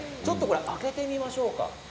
開けてみましょうか。